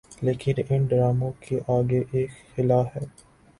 لیکن ان ڈراموں کے آگے ایک خلاہے۔